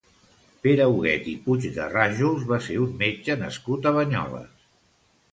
Pere Huguet i Puigderrajols va ser un metge nascut a Banyoles.